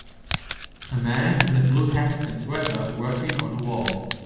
A man in a blue hat and sweater, working on a wall.